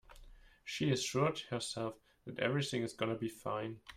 She assured herself that everything is gonna be fine.